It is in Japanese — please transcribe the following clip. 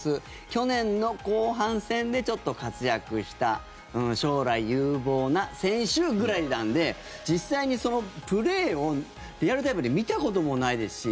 去年の後半戦でちょっと活躍した将来有望な選手ぐらいなんで実際にそのプレーをリアルタイムで見たこともないですし